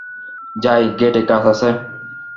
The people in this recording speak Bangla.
যাই, গেইটে কাজ আছে।